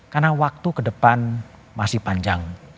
karena waktu ke depan masih panjang